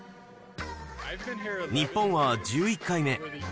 日本は１１回目。